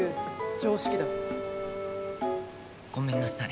常識だ！ごめんなさい。